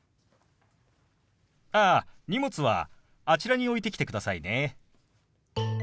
ああ荷物はあちらに置いてきてくださいね。